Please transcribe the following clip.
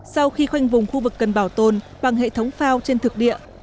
sau khi khoanh vùng khu vực cần bảo tồn bằng hệ thống phao trên thực địa